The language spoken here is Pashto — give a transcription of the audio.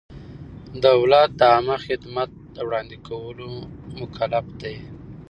دولت د عامه خدمت د وړاندې کولو مکلف دی.